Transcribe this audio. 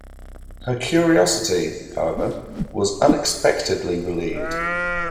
Her curiosity, however, was unexpectedly relieved.